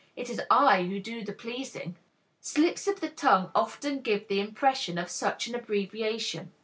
It is I who do the pleasing." Slips of the tongue often give the impression of such an abbreviation.